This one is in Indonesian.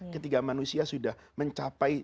ketiga manusia sudah mencapai